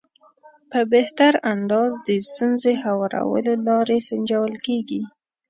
په بهتر انداز د ستونزې هوارولو لارې سنجول کېږي.